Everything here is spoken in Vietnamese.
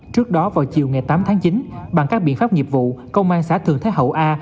trước đó vào chiều ngày tám tháng chín bằng các biện pháp nghiệp vụ công an xã thường thế hậu a